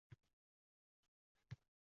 Bitta daryo borardi oqib.